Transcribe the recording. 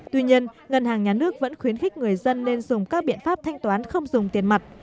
tuy nhiên ngân hàng nhà nước vẫn khuyến khích người dân nên dùng các biện pháp thanh toán không dùng tiền mặt